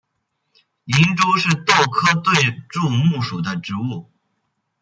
银珠是豆科盾柱木属的植物。